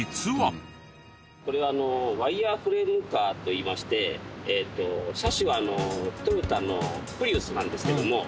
これはワイヤーフレームカーといいまして車種はトヨタのプリウスなんですけども。